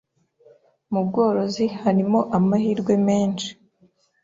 mu bworozi harimo amahirwe menshi